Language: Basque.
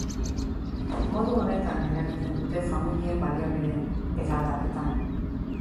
Modu honetan eragiten dute familien baliabideen eraldaketan.